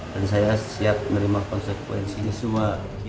dan saya siap menerima konsekuensi semua